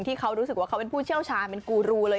ที่เขารู้สึกว่าเขาเป็นผู้เชี่ยวชาญเป็นกูรูเลย